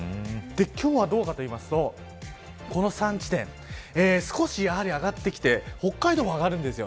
今日はどうかというとこの３地点少し上がってきて北海道も上がるんです。